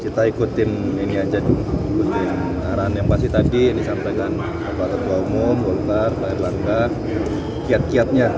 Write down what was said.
kita ikutin ini aja dulu arahan yang pasti tadi yang disampaikan bapak ketua umum golkar pak erlangga kiat kiatnya